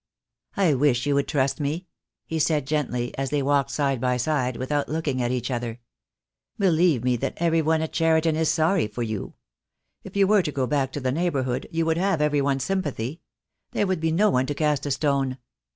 "I wish you would trust me," he said gently, as they walked side by side, without looking at each other. "Be lieve me that every one at Cheriton is sorry for you. If you were to go back to the neighbourhood you would have everybody's sympathy. There would be no one to cast a stone."